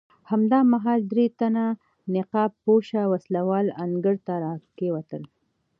همدا مهال درې تنه نقاب پوشه وسله وال انګړ ته راکېوتل.